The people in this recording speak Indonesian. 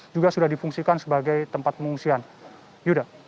yang diperlukan sebagai tempat pengungsian yuda